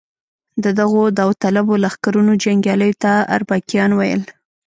د دغو داوطلبو لښکرونو جنګیالیو ته اربکیان ویل.